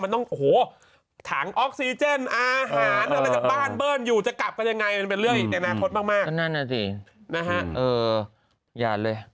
ตังค์ออกซีเจนอาหารอะไรอยู่